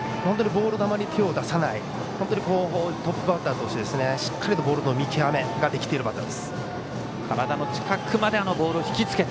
ボール球に手を出さないトップバッターとしてしっかりボールの見極めができているバッターです。